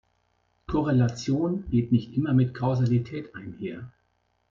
Korrelation geht nicht immer mit Kausalität einher.